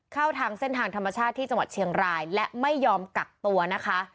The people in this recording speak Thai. เข้าทางเส้นทางธรรมชาติที่จังหวัดเชียงรายและไม่ยอมกักตัวนะคะ